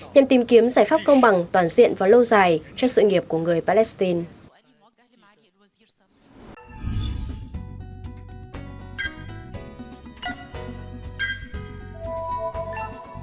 nhằm tìm kiếm giải pháp công bằng toàn diện và lâu dài cho sự nghiệp của người palestine